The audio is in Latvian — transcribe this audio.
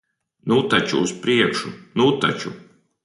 Nu taču, uz priekšu. Nu taču!